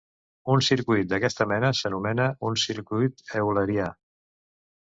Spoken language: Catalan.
Un circuit d'aquesta mena s'anomena un circuit eulerià.